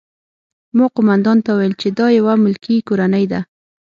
ما قومندان ته وویل چې دا یوه ملکي کورنۍ ده